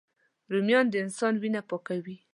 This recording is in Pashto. رومیان د انسان وینه پاکوي